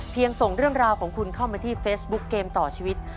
ส่งเรื่องราวของคุณเข้ามาที่เฟซบุ๊กเกมต่อชีวิต